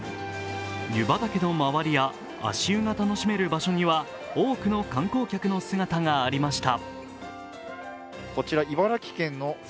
湯畑の周りや、足湯が楽しめる場所には多くの観光客の姿がありました。